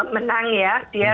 menang ya dia